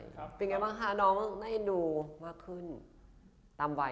เป็นยังไงบ้างคะน้องได้ดูมากขึ้นตามวัย